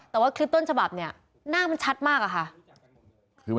แต่ว่าคลิปต้นฉบับเนี่ยหน้ามันชัดมากอะค่ะ